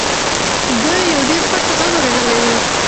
ده یو ډېر پټ غږ اورېدلی و.